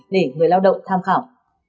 để người lao động tham khảo